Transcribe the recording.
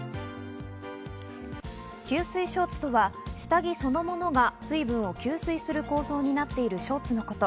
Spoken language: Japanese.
吸水ショーツとは下着そのものが水分を吸水する構造になっているショーツのこと。